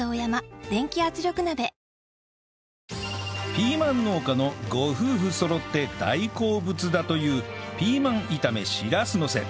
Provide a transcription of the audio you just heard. ピーマン農家のご夫婦そろって大好物だというピーマン炒めしらすのせ